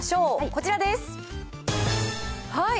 こちらです。